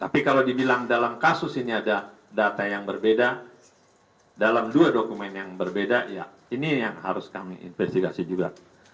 tapi kalau dibilang dalam kasus ini ada data yang berbeda dalam dua dokumen yang berbeda ya ini yang harus kami investigasi juga